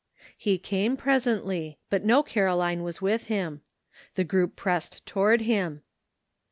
He came presently, but no Caroline was with him. The group pressed toward him.